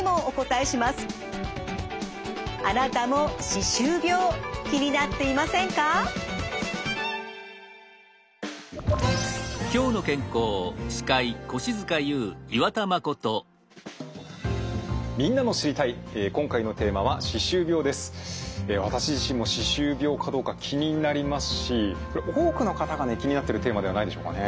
え私自身も歯周病かどうか気になりますしこれ多くの方がね気になっているテーマではないでしょうかね。